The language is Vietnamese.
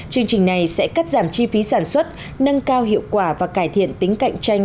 chương trình này sẽ cắt giảm chi phí sản xuất nâng cao hiệu quả và cải thiện tính cạnh tranh